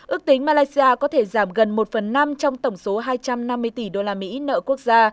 ước tính malaysia có thể giảm gần một phần năm trong tổng số hai trăm năm mươi tỷ usd nợ quốc gia